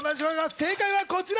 正解はこちら！